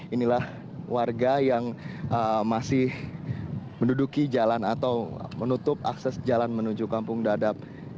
inilah warga yang masih menduduki jalan atau menutup akses jalan menuju kampung dadap